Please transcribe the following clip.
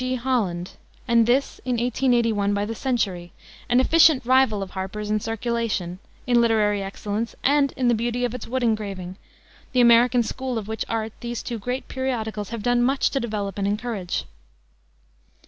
G. Holland, and this in 1881 by the Century, an efficient rival of Harper's in circulation, in literary excellence, and in the beauty of its wood engraving, the American school of which art these two great periodicals have done much to develop and encourage.